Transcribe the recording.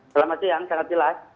selamat siang sangat jelas